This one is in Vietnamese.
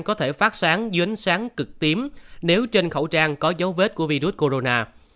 có thể phát sáng dưới ánh sáng cực tím nếu trên khẩu trang có dấu vết của virus corona